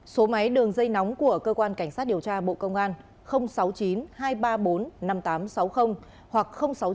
số máy đường dây nóng của cơ quan cảnh sát điều tra bộ công an sáu mươi chín hai trăm ba mươi bốn năm nghìn tám trăm sáu mươi hoặc sáu mươi chín hai trăm ba mươi một một nghìn sáu trăm